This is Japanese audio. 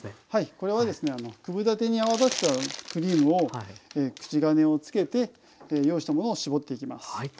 これはですね九分立てに泡立てたクリームを口金をつけて用意したものを絞っていきます。